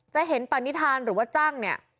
จะเห็นปณิธานหรือว่าจ้างเนี่ย